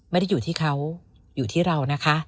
ไม่ได้อยู่ที่เขาอยู่ที่เรานะคะ